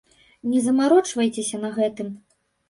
Не замарочвайцеся на гэтым.